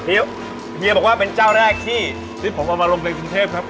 เฮียบอกว่าเป็นเจ้าแรกที่นี่ผมเอามาลงเกรงกรรมเทพครับ